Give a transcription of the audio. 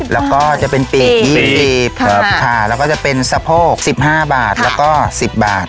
แล้วก็จะเป็นปีกยี่สิบครับค่ะแล้วก็จะเป็นสะโพกสิบห้าบาทแล้วก็สิบบาท